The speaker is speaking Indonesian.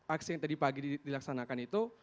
aksi yang tadi pagi dilaksanakan itu